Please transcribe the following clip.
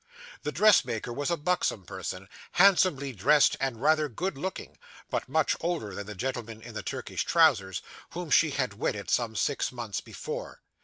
The dressmaker was a buxom person, handsomely dressed and rather good looking, but much older than the gentleman in the Turkish trousers, whom she had wedded some six months before.